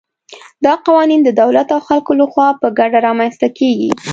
دا قوانین د دولت او خلکو له خوا په ګډه رامنځته کېږي.